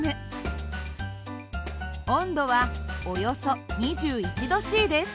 温度はおよそ２１℃です。